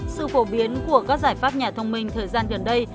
sự phổ biến của các giải pháp nhà thông minh thời gian gần đây